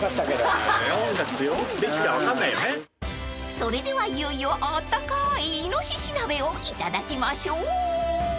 ［それではいよいよあったかいいのしし鍋をいただきましょう］